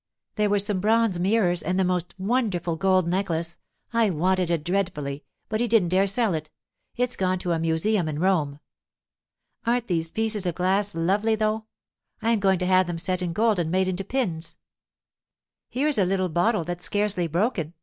There were some bronze mirrors, and the most wonderful gold necklace—I wanted it dreadfully, but he didn't dare sell it; it's gone to a museum in Rome. Aren't these pieces of glass lovely, though? I am going to have them set in gold and made into pins.' 'Here's a little bottle that's scarcely broken.